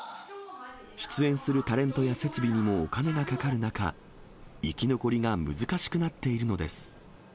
出演するタレントや設備にもお金がかかる中、生き残りが難しくなっているのです。